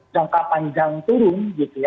jangka panjang turun